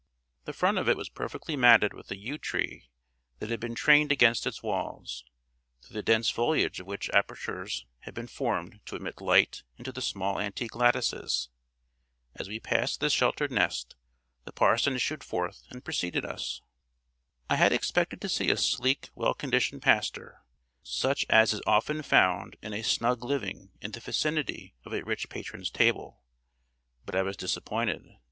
The front of it was perfectly matted with a yew tree that had been trained against its walls, through the dense foliage of which apertures had been formed to admit light into the small antique lattices. As we passed this sheltered nest, the parson issued forth and preceded us. I had expected to see a sleek well conditioned pastor, such as is often found in a snug living in the vicinity of a rich patron's table; but I was disappointed.